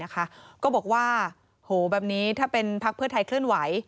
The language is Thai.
ก็บอกว่าโหแบบนี้ถ้าเป็นพักเพื่อไทยเคลื่อนไหว